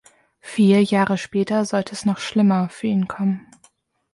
Vier Jahre später sollte es noch schlimmer für ihn kommen.